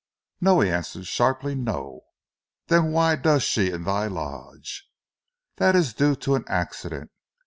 "No?" he answered sharply. "No!" "Then what does she in thy lodge?" "That is due to an accident.